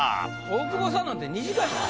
大久保さんなんて２時間やで。